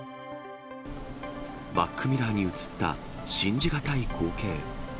バックミラーに映った、信じ難い光景。